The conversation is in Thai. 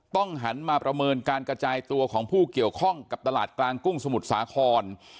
หันมาประเมินการกระจายตัวของผู้เกี่ยวข้องกับตลาดกลางกุ้งสมุทรสาคร